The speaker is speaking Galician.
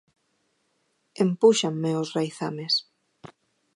Empúxanme os raizames.